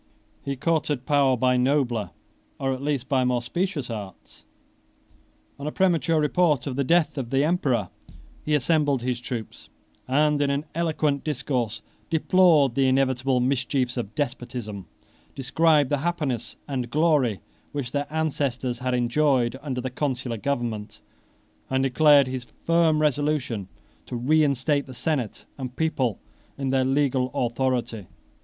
He courted power by nobler, or, at least, by more specious arts. On a premature report of the death of the emperor, he assembled his troops; and, in an eloquent discourse, deplored the inevitable mischiefs of despotism, described the happiness and glory which their ancestors had enjoyed under the consular government, and declared his firm resolution to reinstate the senate and people in their legal authority.